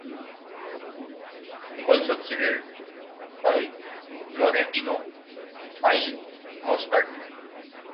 He was succeeded by Florentino Flaile Moscat.